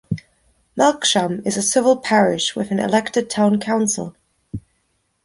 Melksham is a civil parish with an elected town council.